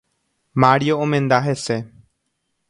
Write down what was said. Mario omenda hese.